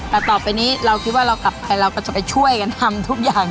แต่ต่อไปนี้เราก็จะไปช่วยกันทัมทุกอย่าง